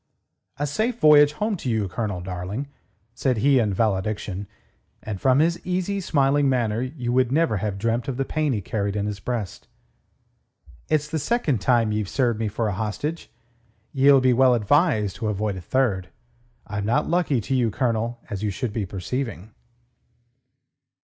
"A safe voyage home to you, Colonel, darling," said he in valediction, and from his easy, smiling manner you would never have dreamt of the pain he carried in his breast. "It's the second time ye've served me for a hostage. Ye'll be well advised to avoid a third. I'm not lucky to you, Colonel, as you should be perceiving."